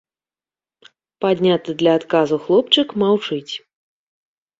Падняты для адказу хлопчык маўчыць.